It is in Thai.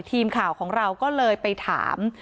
ทีมข่าวของเราก็เลยไปถาม